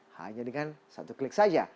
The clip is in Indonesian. hanya dengan satu klik saja